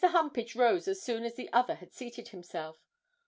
Humpage rose as soon as the other had seated himself.